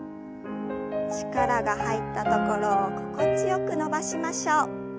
力が入ったところを心地よく伸ばしましょう。